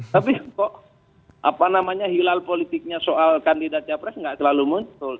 tapi kok apa namanya hilal politiknya soal kandidat capres nggak selalu muncul